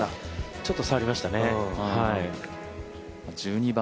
ちょっと触りましたね。